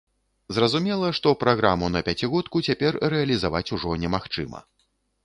Зразумела, што праграму на пяцігодку цяпер рэалізаваць ужо немагчыма.